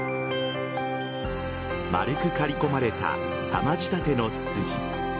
丸く刈り込まれた玉仕立てのツツジ。